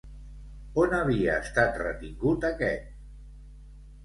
On havia estat retingut aquest?